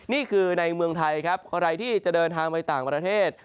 นี่คือในเมืองไทยครับใครที่จะเดินทางไปต่างประเทศ